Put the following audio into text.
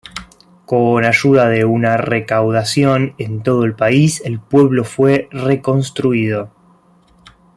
Con ayuda de una recaudación en todo el país el pueblo fue reconstruido.